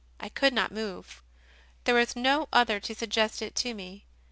... I could not move; there was no other to suggest it to me.